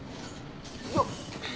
よっ。